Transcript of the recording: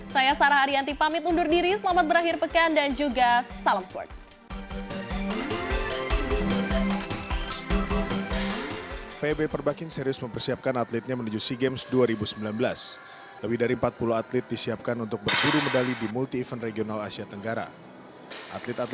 saya sarah arianti pamit undur diri selamat berakhir pekan dan juga salam sports